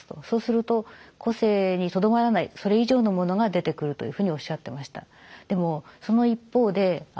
そうすると個性にとどまらないそれ以上のものが出てくるというふうにおっしゃっていました。